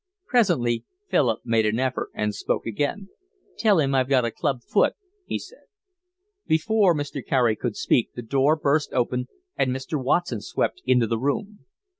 Presently Philip made an effort and spoke again. "Tell him I've got a club foot," he said. Before Mr. Carey could speak the door burst open and Mr. Watson swept into the room.